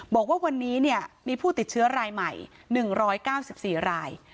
บอกว่าวันนี้มีผู้ติดเชื้อรายใหม่๑๙๔ราย